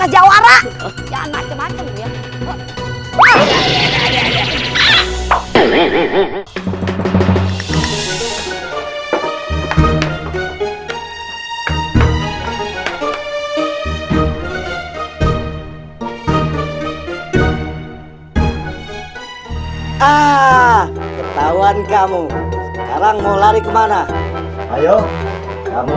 jawara jangan macem macem ya ah ketahuan kamu sekarang mau lari kemana ayo kamu